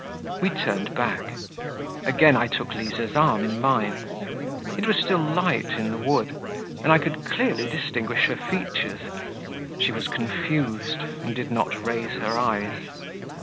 We turned back. Again I took Liza's arm in mine. It was still light in the wood, and I could clearly distinguish her features. She was confused, and did not raise her eyes.